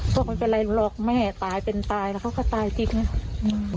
พวกเขาเป็นอะไรหรอกแม่ถายเป็นตายแล้วเขาก็ตายสิกนะ